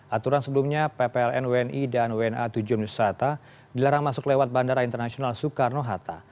aturan sebelumnya ppln wni dan wna tujuh nusata dilarang masuk lewat bandara internasional soekarno hatta